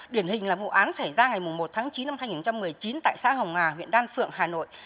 điển hình là vụ án xảy ra ngày một tháng chín năm hai nghìn một mươi chín tại xã hồng hà huyện đan phượng hà nội